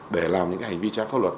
để làm những cái hành vi trái pháp luật